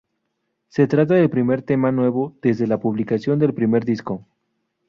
Se trata del primer tema nuevo desde la publicación del primer disco.